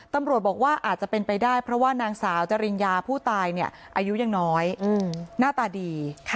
ตำรวจบอกว่าอาจจะเป็นไปได้เพราะว่านางสาวจริญญาผู้ตายอายุยังน้อยหน้าตาดี